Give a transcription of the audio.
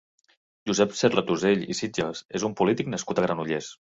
Josep Serratusell i Sitjes és un polític nascut a Granollers.